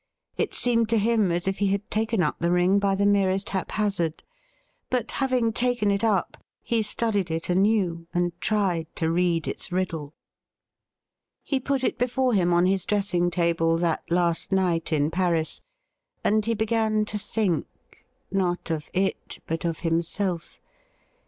It seemed to him as if he had taken up the ring by the merest hap hazard. But having taken it up, he studied it anew and tried to read its riddle. 116 THE RIDDLE RING He put it before him on his dressing table that last night in Paris, and he began to think — ^not of it, but of himself.